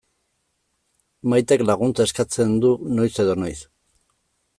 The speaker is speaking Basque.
Maitek laguntza eskatzen du noiz edo noiz.